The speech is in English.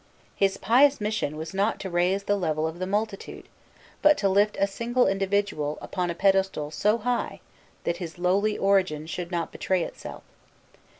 His pious mission was not to raise the level of the multitude, but to lift a single individual upon a pedestal so high that his lowly origin should not betray itself.